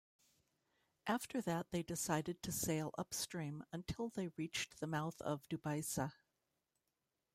After that they decided to sail upstream until they reached the mouth of Dubysa.